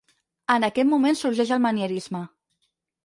En aquest moment sorgeix el manierisme.